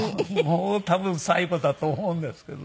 もう多分最後だと思うんですけど。